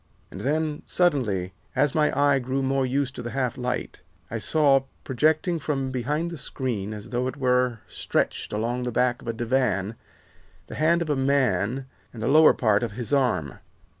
"And then, suddenly, as my eye grew more used to the half light, I saw, projecting from behind the screen as though it were stretched along the back of a divan, the hand of a man and the lower part of his arm.